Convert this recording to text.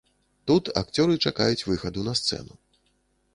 Тут акцёры чакаюць выхаду на сцэну.